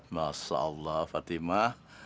masya allah fatimah